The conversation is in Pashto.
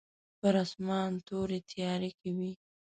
پر اسمان توري تاریکې وې.